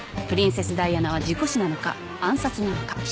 プリンセス・ダイアナは事故死なのか暗殺なのか。